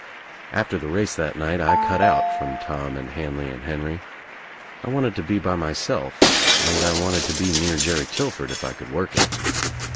After the race that night I cut out from Tom and Hanley and Henry, I wanted to be by myself and I wanted to be near Jerry Tillford if I could work it.